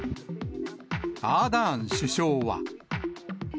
アーダーン首相は。